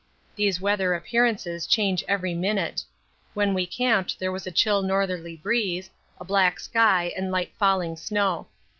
These weather appearances change every minute. When we camped there was a chill northerly breeze, a black sky, and light falling snow.